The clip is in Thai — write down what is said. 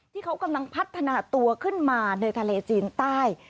ที่เขากำลังพัฒนาตัวขึ้นมาในทะเลจีนใต้